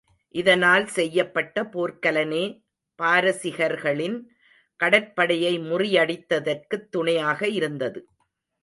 இதனால் செய்யப்பட்ட போர்க்கலனே பாரசிகர்களின் கடற்படையை முறியடித்தற்குத் துணையாக இருந்தது.